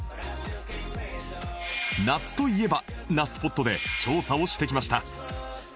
「夏といえば」なスポットで調査をしてきました